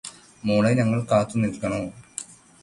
മോളെ ഞങ്ങൾ കാത്തുനിൽക്കണോ